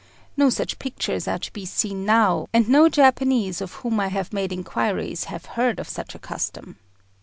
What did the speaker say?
No such pictures are to be seen now, and no Japanese of whom I have made inquiries have heard of such a custom.